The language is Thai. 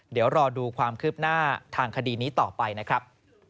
เดี๋ยวรอดูความคืบหน้าทางคดีนี้ต่อไปนะครับ